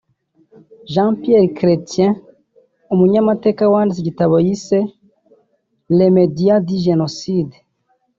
Jean-Pierre Chrétien umunyamateka wanditse igitabo yise “Les médias du génocide”